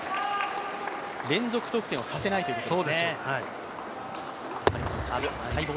連続得点をさせないということですね。